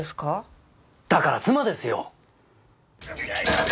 だから妻ですよ！